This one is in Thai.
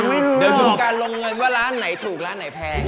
เดี๋ยวดูการลงเงินว่าร้านไหนถูกร้านไหนแพง